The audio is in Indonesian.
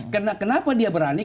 kenapa dia berani